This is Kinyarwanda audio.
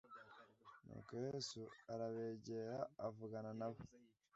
Nuko Yesu arabegera avugana na bo